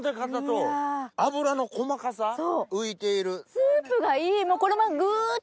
スープがいい！